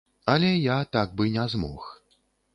Але я так бы не змог.